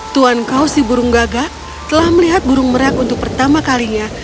tuhan kau si burung gagak telah melihat burung merah untuk pertama kalinya